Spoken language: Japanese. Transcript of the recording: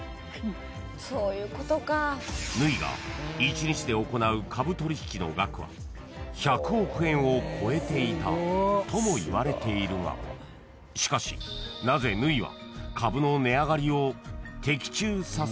［縫が１日で行う株取引の額は１００億円を超えていたともいわれているがしかし縫は］